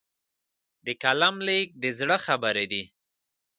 د قلم لیک د زړه خبرې دي.